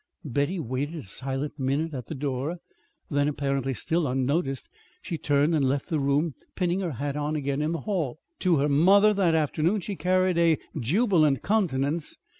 Betty waited a silent minute at the door; then, apparently still unnoticed, she turned and left the room, pinning her hat on again in the hall. To her mother that afternoon she carried a jubilant countenance.